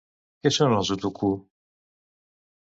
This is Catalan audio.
Què són els Utukku?